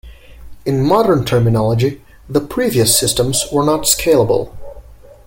In modern terminology, the previous systems were not "scalable".